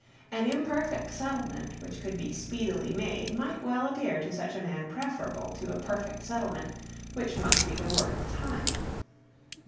An imperfect settlement which could be speedily made might well appear to such a man preferable to a perfect settlement which must be the work of time.